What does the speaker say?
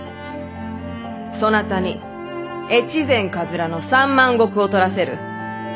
そなたに越前野三万石を取らせる！